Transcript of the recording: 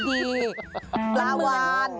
ปลาวาน